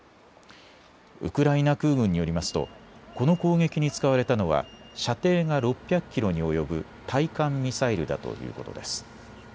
ウクライナ空軍によりますとこの攻撃に使われたのは射程が６００キロに及ぶ対艦ミサイルだということです。